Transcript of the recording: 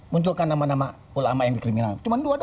munculkan nama nama ulama yang dikriminal